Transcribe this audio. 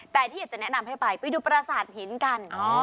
แต่ที่อยากจะแนะนำให้ไปไปดูประสาทหินกัน